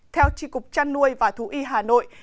theo tri cục trăn nuôi và thú y hà nội